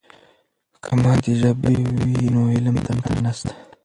که مادي ژبه وي نو علم ته خنډ نسته.